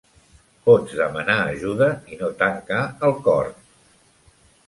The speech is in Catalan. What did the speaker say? Pots demanar ajuda, i no tancar el cor.